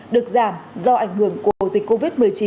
được giảm do ảnh hưởng của dịch covid một mươi chín